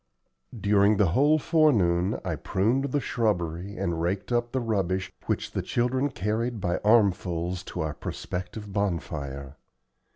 During the whole forenoon I pruned the shrubbery, and raked up the rubbish which the children carried by armfuls to our prospective bonfire.